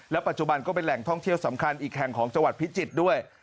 ปัจจุบันก็เป็นแหล่งท่องเที่ยวสำคัญอีกแห่งของจังหวัดพิจิตรด้วย